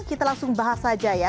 kita langsung bahas saja ya